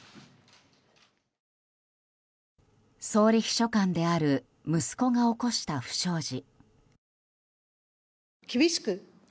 総理秘書官である息子が起こした不祥事。